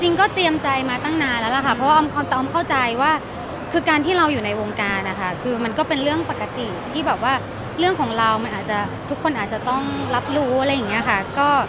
จริงก็เตรียมใจมาตั้งนานแล้วล่ะค่ะเพราะว่าออมเข้าใจว่าคือการที่เราอยู่ในวงการนะคะคือมันก็เป็นเรื่องปกติที่แบบว่าเรื่องของเรามันอาจจะทุกคนอาจจะต้องรับรู้อะไรอย่างนี้ค่ะ